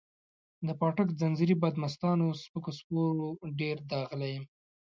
د پاټک د ځنځیري بدمستانو سپکو سپورو ډېر داغلی یم.